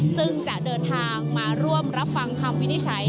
ซึ่งจะเดินทางมาร่วมรับฟังคำวินิจฉัย